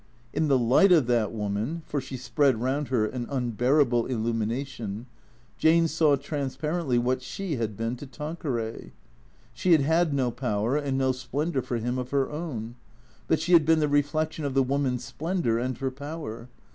In the light of that woman (for she spread round her an unbearable illumination) Jane saw transparently what she had been to Tanqueray. She had had no power and no splendour for him of her own. But she had been the reflection of the woman's splendour and her power.